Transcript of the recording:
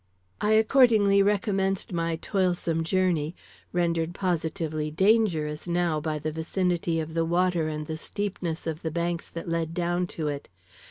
"I accordingly recommenced my toilsome journey, rendered positively dangerous now by the vicinity of the water and the steepness of the banks that led down to it.